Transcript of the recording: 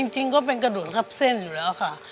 จริงก็เป็นกระดูกทับเส้นอยู่แล้วค่ะ